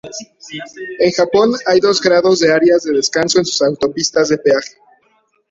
En Japón hay dos grados de áreas de descanso en sus autopistas de peaje.